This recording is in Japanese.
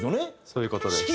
そういう事です。